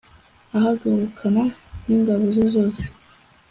ahagurukana n'ingabo ze zose